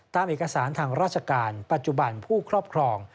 ตามเอกสารทางราชการปัจจุบันผู้ครอบครอง